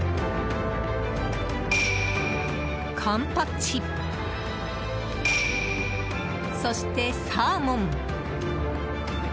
カンパチ、そしてサーモン。